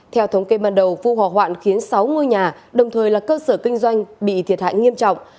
theo thống kê ban đầu vụ hỏa hoạn khiến sáu ngôi nhà đồng thời là cơ sở kinh doanh bị thiệt hại nghiêm trọng